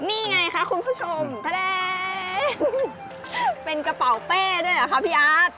นี่ไงคุณผู้ชมเป็นกระเป๋าเป้ด้วยหรือครับพี่อาร์ธ